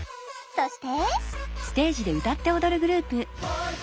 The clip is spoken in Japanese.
そして。